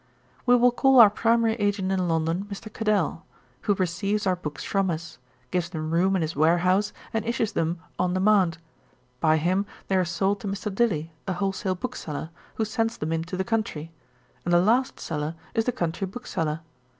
'We will call our primary agent in London, Mr. Cadell, who receives our books from us, gives them room in his warehouse, and issues them on demand; by him they are sold to Mr. Dilly a wholesale bookseller, who sends them into the country; and the last seller is the country bookseller.